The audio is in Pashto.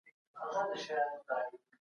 تر هغي چي شپه سوه ما خپل کار خلاص کړی و.